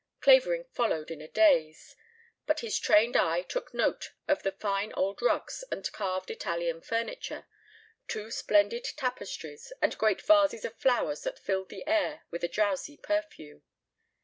Clavering followed in a daze, but his trained eye took note of the fine old rugs and carved Italian furniture, two splendid tapestries, and great vases of flowers that filled the air with a drowsy perfume.